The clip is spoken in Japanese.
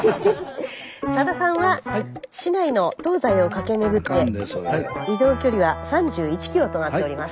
さださんは市内の東西を駆け巡って移動距離は３１ｋｍとなっております。